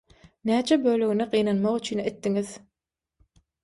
Näçe bölegini gynanmak üçin etdiňiz?